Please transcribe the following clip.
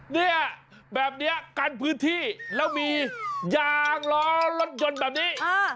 เนี่ยแบบนี้กันพื้นที่แล้วมียางล้อรถยนต์แบบนี้